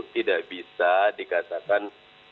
tidak bisa dikatakan